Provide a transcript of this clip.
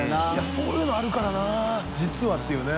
そういうのあるからな「実は」っていうね。